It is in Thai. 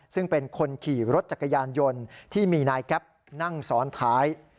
ซึ่งเป็นคนขี่รถจักรยานยนต์ที่มีนายแก๊ปนั่งซ้อนท้าย